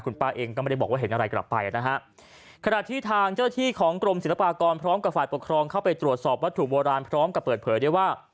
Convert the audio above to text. ป้าเองก็ไม่ได้บอกว่าเห็นอะไรกลับไปนะฮะขณะที่ทางเจ้าที่ของกรมศิลปากรพร้อมกับฝ่ายปกครองเข้าไปตรวจสอบวัตถุโบราณพร้อมกับเปิดเผยได้ว่า